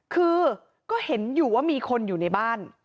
คือก็เห็นอยู่ว่ามีคนอยู่ในบ้าน